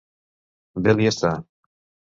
Bé li està.